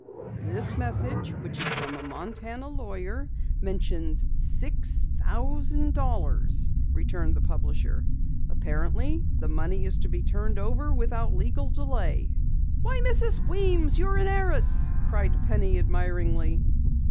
"This message which is from a Montana lawyer mentions six thousand dollars," returned the publisher. "Apparently, the money is to be turned over without legal delay." "Why, Mrs. Weems, you're an heiress!" cried Penny admiringly.